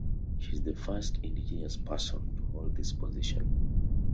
She is the first Indigenous person to hold this position.